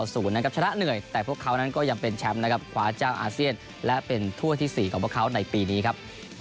ชนะเหนื่อยแต่พวกเขานั้นก็ยังเป็นแชมป์นะครับคว้าเจ้าอาเซียนและเป็นถ้วที่๔ของพวกเขาในปีนี้ครับ